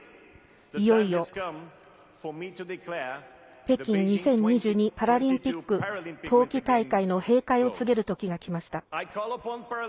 いよいよ、北京２０２２パラリンピック冬季大会の閉会を告げるときがきました。